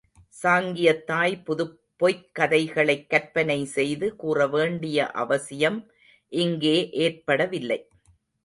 சாங்கியத் தாய் புதுப் பொய்க் கதைகளைக் கற்பனை செய்து கூறவேண்டிய அவசியம் இங்கே ஏற்படவில்லை.